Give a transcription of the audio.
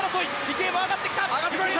池江も上がってきた！